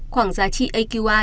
khoảng giá trị aqi